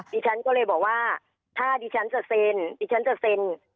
ดิฉันก็เลยบอกว่าถ้าดิฉันจะเซ็น